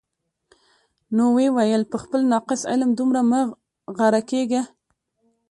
نو ویې ویل: په خپل ناقص علم دومره مه غره کېږه.